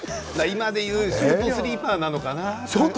今で言うショートスリーパーなのかな